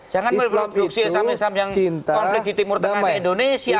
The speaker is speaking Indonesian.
jangan melupu yuksi islam islam yang komplit di timur tengah indonesia ini